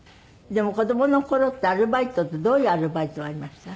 でも子どもの頃ってアルバイトってどういうアルバイトがありました？